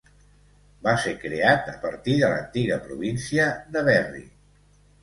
Va ser creat a partir de l'antiga província de Berry.